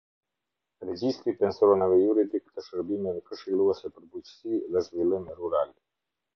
Regjistri i Personave juridik të shërbimeve këshilluese për bujqësi dhe zhvillim rural.